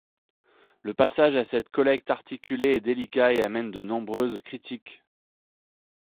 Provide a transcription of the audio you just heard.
Le passage à cette collecte articulée est délicat et amène de nombreuses critiques.